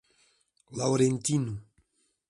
Laurentino